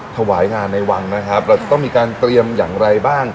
ถวายงานในวังนะครับเราจะต้องมีการเตรียมอย่างไรบ้าง